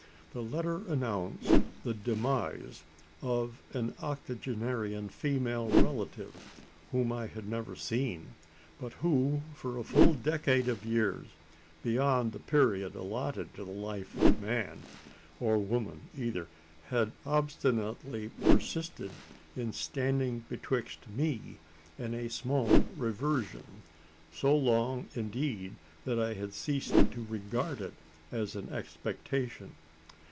The letter announced the demise of an octogenarian female relative whom I had never seen but who, for a full decade of years, beyond the period allotted to the life of man or women either had obstinately persisted in standing betwixt me and a small reversion so long, indeed, that I had ceased to regard it as an "expectation."